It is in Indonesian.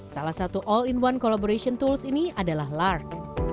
salah satu all in one collaboration tools ini adalah lark